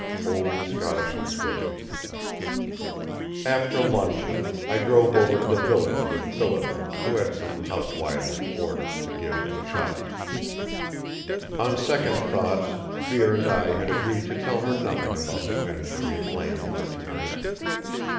OLD SCOTTISH INSCRIPTION. After luncheon, I drove over to the village with Phillida, who had some housewifely orders to give at the shops. On second thoughts, Vere and I had agreed to tell her nothing about the venture we planned for tonight.